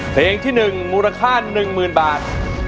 เพลงที่หนึ่งมูลค่าหนึ่งหมื่นบาท